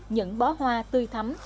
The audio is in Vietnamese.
những bó hoa tươi thấm